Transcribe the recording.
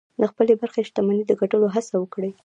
د خپلې برخې شتمني د ګټلو هڅه وکړئ.